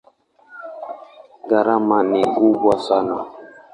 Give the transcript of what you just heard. Gharama ni kubwa sana.